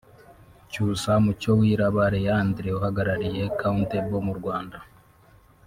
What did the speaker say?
Cyusa Mucyowiraba Leandre uhagarariye Kountable mu Rwanda